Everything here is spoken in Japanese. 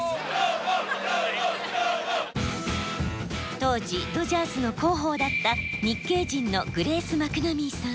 当時ドジャースの広報だった日系人のグレース・マクナミーさん。